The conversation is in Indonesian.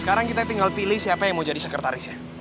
sekarang kita tinggal pilih siapa yang mau jadi sekretarisnya